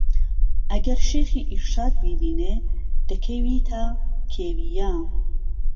ئهگەر شێخی ئیرشاد بيدينێ دهکهویتهکێوییه